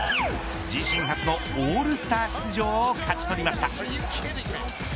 自身初のオールスター出場を勝ち取りました。